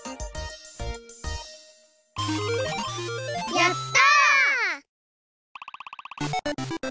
やった！